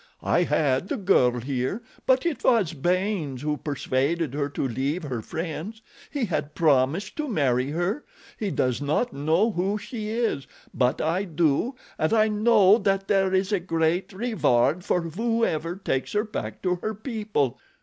I had the girl here; but it was Baynes who persuaded her to leave her friends—he had promised to marry her. He does not know who she is; but I do, and I know that there is a great reward for whoever takes her back to her people.